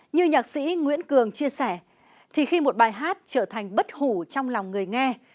như nhạc sĩ nguyễn cường chia sẻ thì khi một bài hát trở thành bất hủ trong lòng người nghe